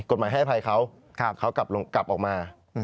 กฎหมายให้อภัยเขาเขากลับออกมา